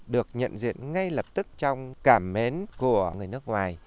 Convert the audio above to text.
được nhận diện ngay lập tức trong cảm mến của người nước ngoài